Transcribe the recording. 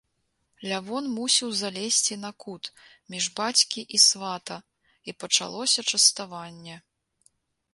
Лявон мусіў залезці на кут, між бацькі і свата, і пачалося частаванне.